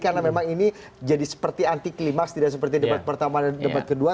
karena memang ini jadi seperti anti klimas tidak seperti debat pertama dan debat kedua